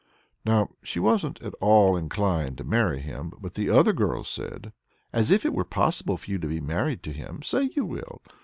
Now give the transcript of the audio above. Now she wasn't at all inclined to marry him, but the other girls said: "As if it were possible for you to be married to him! Say you will!"